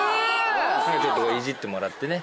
ちょっといじってもらってね。